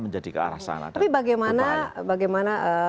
menjadi ke arah sana tapi bagaimana bagaimana